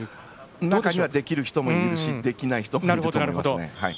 中にはできる人もいるしできない人もいると思います。